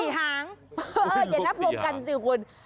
เป็น๔หางเดี๋ยวนับรวมกันสิคุณ